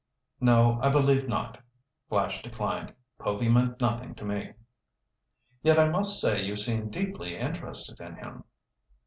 "No, I believe not," Flash declined. "Povy meant nothing to me." "Yet I must say you seem deeply interested in him."